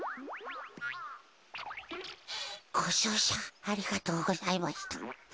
ごじょうしゃありがとうございました。